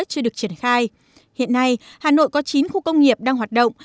chưa được triển khai hiện nay hà nội có chín khu công nghiệp đang hoạt động